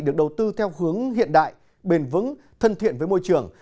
được đầu tư theo hướng hiện đại bền vững thân thiện với môi trường